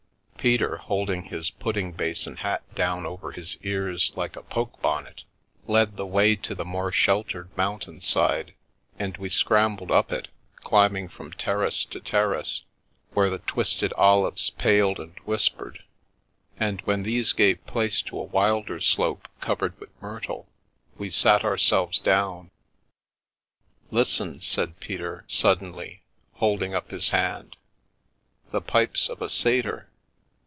Peter, holding his pud ding basin hat down over his ears like a poke bonnet, led the way to the more sheltered mountain side, and we scrambled up it, climbing from terrace to terrace where the twisted olives paled and whispered, and when these gave place to a wilder slope, covered with myrtle, we sat ourselves down. " Listen !" said Peter suddenly, holding up his hand, "the pipes of a satyr.